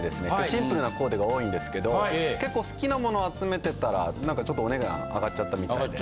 シンプルなコーデが多いんですけど結構好きなもの集めてたらなんかちょっとお値段上がっちゃったみたいで。